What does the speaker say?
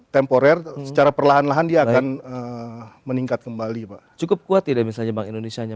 temporer secara perlahan lahan dia akan meningkat kembali cukup kuat tidak bisa di bank indonesia